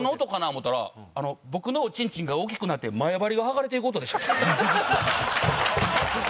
思たら僕のおちんちんが大きくなって前貼りが剥がれていく音でした。